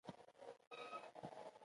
حساب ورکول ولې اړین دي؟